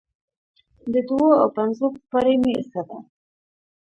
د دوو او پنځو پاړۍ مې زده ده،